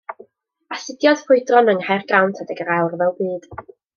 Astudiodd ffrwydron yng Nghaergrawnt adeg yr Ail Ryfel Byd.